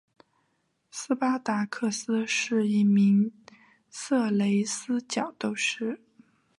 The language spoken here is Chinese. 斯巴达克斯是一名色雷斯角斗士。